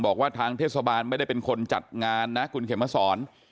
บอกว่าทางเทศบาลไม่ได้เป็นคนจัดงานนะคุณเข็มมาสอน